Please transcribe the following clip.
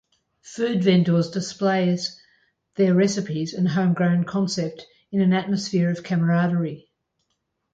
Food vendors displays their recipes and homegrown concept in an atmosphere of camaraderie.